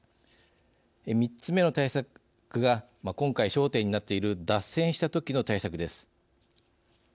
３つ目の対策が今回焦点になっている脱線したときの対策です。